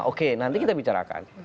oke nanti kita bicarakan